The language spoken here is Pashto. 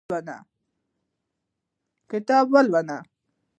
کتاب ولوله